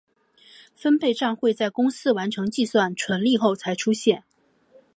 分配帐会在公司完成计算纯利后才出现。